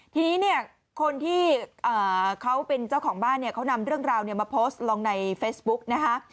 ทีนี้เนี่ยคนที่เขาเป็นเจ้าของบ้านเนี่ยเขานำเรื่องราวมาโพสต์ลงในเฟซบุ๊กนะคะ